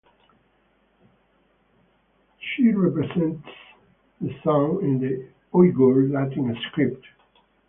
Sh represents the sound in the Uyghur Latin script.